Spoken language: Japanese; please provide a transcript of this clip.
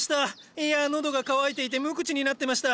いや喉が渇いていて無口になってました。